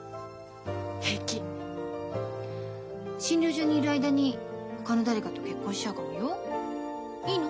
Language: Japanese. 診療所にいる間にほかの誰かと結婚しちゃうかもよ？いいの？